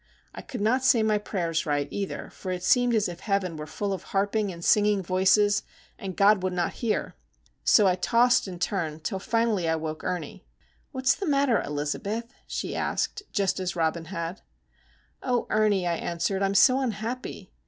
I could not say my prayers right, either, for it seemed as if heaven were full of harping, and singing voices, and God would not hear. So I tossed and turned, till finally I woke Ernie. "What's the matter, Elizabeth?" she asked, just as Robin had. "Oh, Ernie," I answered. "I'm so unhappy!